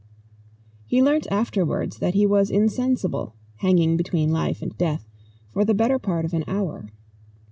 He learnt afterwards that he was insensible, hanging between life and death, for the better part of an hour.